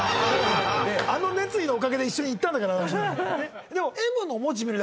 あの熱意のおかげで一緒に行ったんだから。